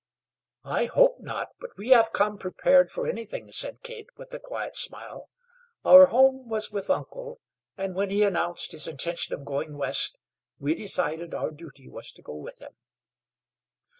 "I hope not; but we have come prepared for anything," said Kate, with a quiet smile. "Our home was with uncle, and when he announced his intention of going west we decided our duty was to go with him."